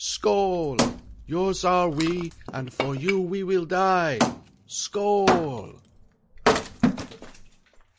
Skoal! Yours we are, and for you we will die! Skoal!"